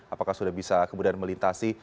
apakah sudah bisa kemudian melintasi